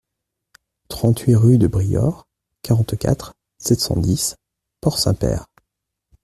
trente-huit rue de Briord, quarante-quatre, sept cent dix, Port-Saint-Père